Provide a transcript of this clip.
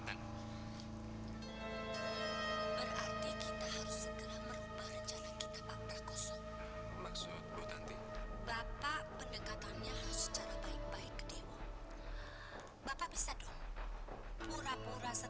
menalin saya sama produser